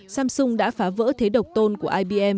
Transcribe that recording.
samsung đã phá vỡ thế độc tôn của ibm